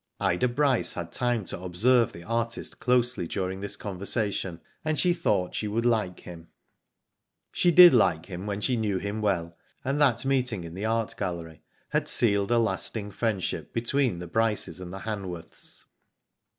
Ida Bryce had time to observe the artist closely during this conversation, and she thought she would like him. She did like him when she knew him well, and that meeting in the Art Gallery had sealed a lasting friendship between the Bryces and the Hanworths.